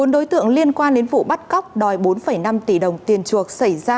bốn đối tượng liên quan đến vụ bắt cóc đòi bốn năm tỷ đồng tiền chuộc xảy ra